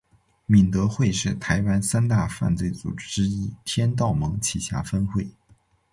敏德会是台湾三大犯罪组织之一天道盟旗下分会。